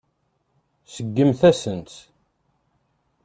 Seggment-asent-tt.